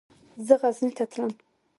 زه غزني ته تلم.